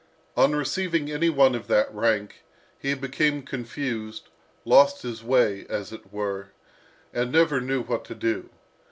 On receiving any one of that rank, he became confused, lost his way, as it were, and never knew what to do.